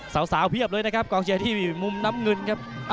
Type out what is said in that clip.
สาวเพียบเลยนะครับกองเชียร์ที่มุมน้ำเงินครับ